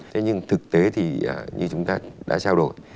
thế nhưng thực tế thì như chúng ta đã trao đổi